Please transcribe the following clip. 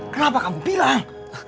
kenapa kamu bilang